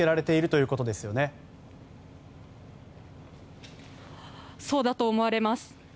そうだと思われます。